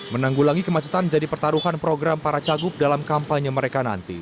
menanggulangi kemacetan jadi pertaruhan program para cagup dalam kampanye mereka nanti